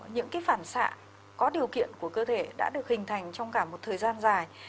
những phản xạ có điều kiện của cơ thể đã được hình thành trong cả một thời gian dài